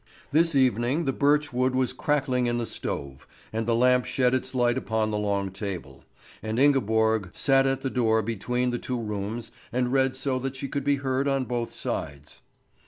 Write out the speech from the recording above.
This evening the birch wood was crackling in the stove, and the lamp shed its light upon the long table; and Ingeborg sat at the door between the two rooms and read so that she could be heard on both sides.